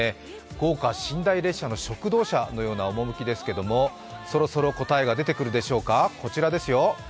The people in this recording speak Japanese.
豪華寝台列車の食堂車のようなおもむきですけれどもそろそろ答えが出てくるでしょうかこちらですよ。